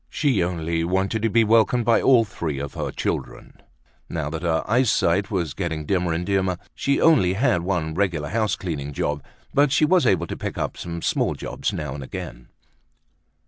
She only wanted to be welcomed by all three of her children. Now that her eyesight was getting dimmer and dimmer she only had one regular house cleaning job but she was able to pick up some small jobs now and again.